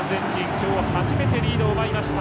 今日初めてリードを奪いました。